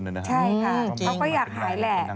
เขาก็อยากหายแหละ